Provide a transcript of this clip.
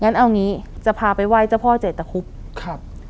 งั้นเอางี้จะพาไปไหว้เจ้าพ่อเจตคุบครับ